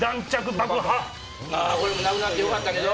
これもなくなってよかったけど。